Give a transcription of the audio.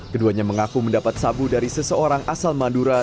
keduanya mengaku mendapat sabu dari seseorang asal madura